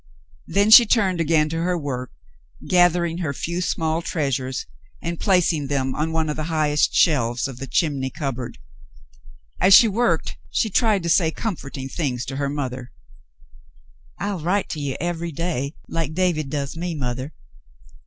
Then she turned again to her work, gathering her few small treasures and placing them on one of the highest shelves of the chimney cupboard. As she worked, she tried to say comforting things to her mother. 262 The Mountain Girl a ■ I'll write to you every day, like David does me, mother.